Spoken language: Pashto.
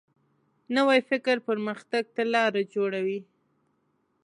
نوی فکر پرمختګ ته لاره جوړوي